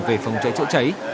về phòng cháy chữa cháy